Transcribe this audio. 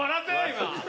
今。